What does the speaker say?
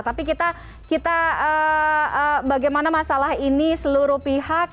tapi kita bagaimana masalah ini seluruh pihak